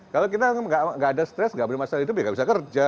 kalau kita tidak ada stres tidak mempunyai masalah hidup ya tidak bisa kerja